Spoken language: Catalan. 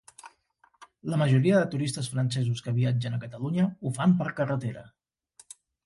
La majoria de turistes francesos que viatgen a Catalunya ho fan per carretera.